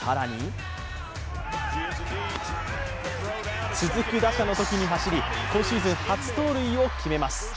更に続く打者のときに走り、今シーズン初盗塁を決めます。